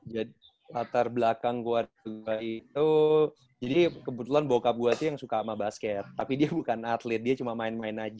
latar belakang gue itu jadi kebetulan boca buat itu yang suka sama basket tapi dia bukan atlet dia cuma main main aja